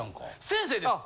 先生です。